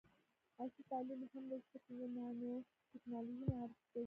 عصري تعلیم مهم دی ځکه چې د نانوټیکنالوژي معرفي کوي.